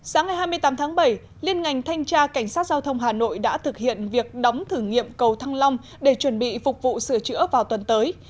sáng ngày hai mươi tám tháng bảy liên ngành thanh tra cảnh sát giao thông hà nội đã thực hiện việc đóng thử nghiệm cầu thăng long để chuẩn bị phục vụ sửa chữa vào tuần tới